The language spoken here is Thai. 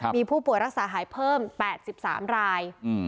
มีผู้ป่วยรักษาหายเพิ่ม๘๓ราย